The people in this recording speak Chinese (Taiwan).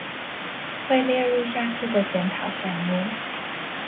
會列入下次的檢討項目